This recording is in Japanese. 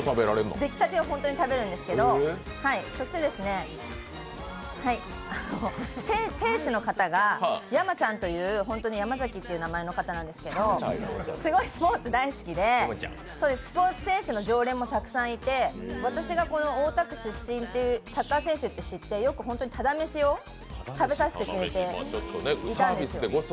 できたてをホントに食べるんですけど、そして、店主の方が山ちゃんという山崎という名前の方なんですけどすごいスポーツ大好きで、スポーツ選手の常連もたくさんいて、私がこの大田区出身っていうサッカー選手って知ってよくタダ飯を食べさせてくれていたんです。